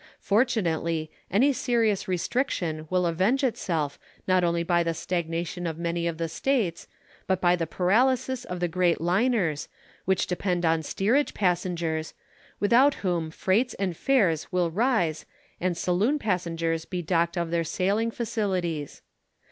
Fortunately, any serious restriction will avenge itself not only by the stagnation of many of the States, but by the paralysis of the great liners which depend on steerage passengers, without whom freights and fares will rise and saloon passengers be docked of their sailing facilities.